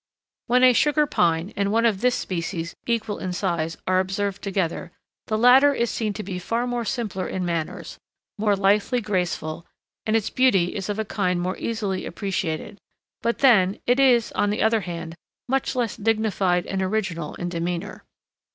When a Sugar Pine and one of this species equal in size are observed together, the latter is seen to be far more simple in manners, more lithely graceful, and its beauty is of a kind more easily appreciated; but then, it is, on the other hand, much less dignified and original in demeanor.